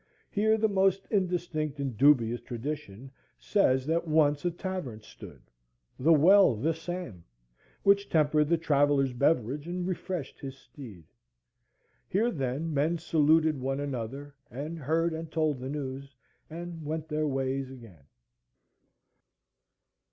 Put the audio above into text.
Here the most indistinct and dubious tradition says that once a tavern stood; the well the same, which tempered the traveller's beverage and refreshed his steed. Here then men saluted one another, and heard and told the news, and went their ways again.